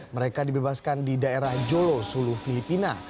mereka dibebaskan di daerah jolo sulu filipina